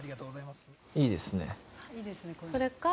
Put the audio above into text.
いいですね。